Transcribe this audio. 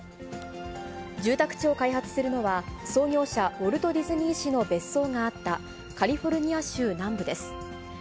住宅地を開発するのは、創業者、ウォルト・ディズニー氏の別荘があった、カリフォルニア州南部です。